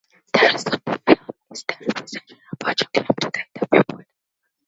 The rest of the film is their presentation about jallikattu to the interview board.